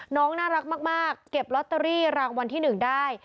น้องน่ารักมากเก็บลอตเตอรี่รางวัลที่หนึ่งได้